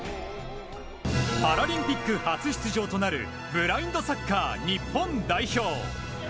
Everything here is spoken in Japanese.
パラリンピック初出場となるブラインドサッカー日本代表。